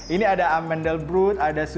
ini ada amandel brut amandel brut